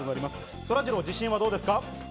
そらジロー、自信はどうですか？